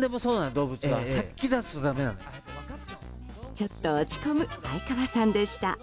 ちょっと落ち込む哀川さんでした。